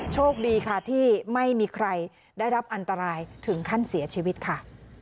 โชคดีค่ะที่ไม่มีใครได้รับอันตรายถึงขั้นเสียชีวิตค่ะ